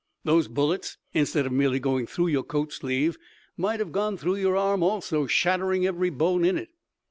Those bullets, instead of merely going through your coat sleeve, might have gone through your arm also, shattering every bone in it.